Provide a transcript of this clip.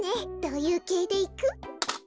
どういうけいでいく？